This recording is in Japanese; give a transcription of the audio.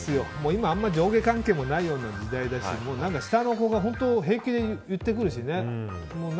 今、あんま上下関係もないような時代だし下の子が平気で言ってくるしね。